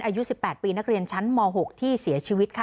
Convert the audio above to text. อายุ๑๘ปีนักเรียนชั้นม๖ที่เสียชีวิตค่ะ